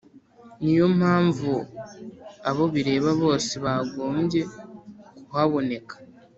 Niyo mpamvu abo bireba bose bagombye kuhaboneka